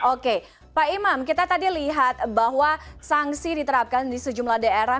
oke pak imam kita tadi lihat bahwa sanksi diterapkan di sejumlah daerah